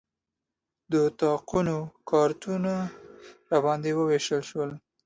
د اتاقونو کارتونه راباندې ووېشل شول.